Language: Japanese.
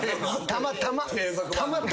たまたま。